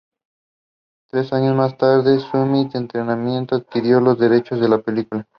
Tres años más tarde, Summit Entertainment adquirió los derechos de la película.